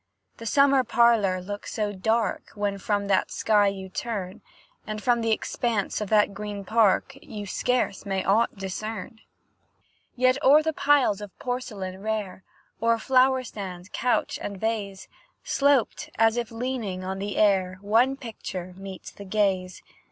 The summer parlour looks so dark, When from that sky you turn, And from th'expanse of that green park, You scarce may aught discern. Yet, o'er the piles of porcelain rare, O'er flower stand, couch, and vase, Sloped, as if leaning on the air, One picture meets the gaze.